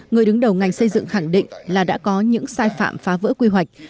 người đứng đầu ngành xây dựng khẳng định là đã có những sai phạm phá vỡ quy hoạch